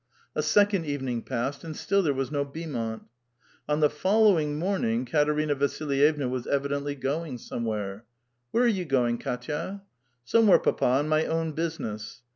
A second evening passed, and still there was no Beau mont. On the following morning, Katerina Vasilyevha was evidently going somewhere. Where are you going Katva?" " Somewhere, papa, on my own business."